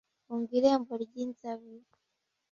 funga irembo ryinzabibu